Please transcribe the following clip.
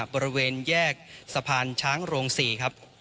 บริเวณแยกสะพานช้างโรง๔ครับ